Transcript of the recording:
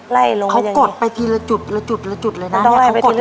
ไล่ลงไปยังไงเขากดไปทีละจุดละจุดละจุดเลยน่ะต้องไล่ไปทีละจุด